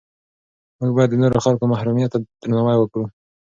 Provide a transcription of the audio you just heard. موږ باید د نورو خلکو محرمیت ته درناوی وکړو.